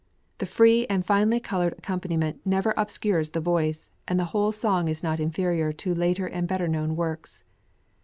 The free and finely coloured accompaniment never obscures the voice, and the whole song is not inferior to later and better known works.